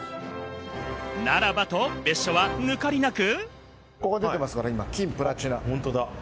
ならばと別所は抜かりなく。